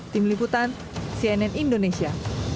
tim liputan cnn indonesia